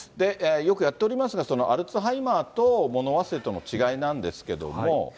よくやっておりますが、アルツハイマーと物忘れとの違いなんですけども。